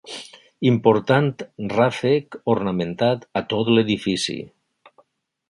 Important ràfec ornamentat a tot l'edifici.